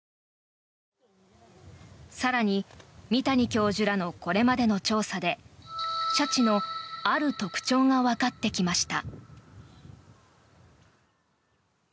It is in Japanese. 更に、三谷教授らのこれまでの調査でシャチのある特徴がわかってきました。